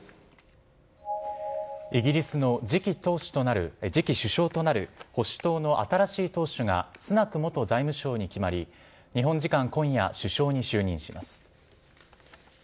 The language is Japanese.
イギリスの次期首相となる保守党の新しい党首がスナク元財務相に決まり、日本時間今夜、首相に就任します。